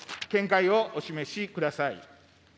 見解をお示しください。